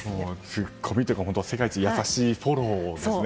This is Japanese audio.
ツッコミというか世界一優しいフォローですね。